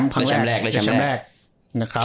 ครั้งแรกนะครับ